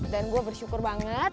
dan gue bersyukur banget